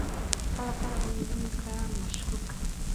کله کله به یې ویني کړه مشوکه